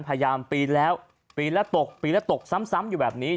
พยายามปีนแล้วปีนแล้วตกปีนแล้วตกซ้ำอยู่แบบนี้